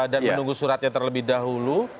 dan menunggu suratnya terlebih dahulu